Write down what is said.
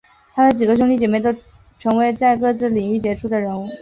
他的几个兄弟姐妹都成为在各自领域杰出的人物。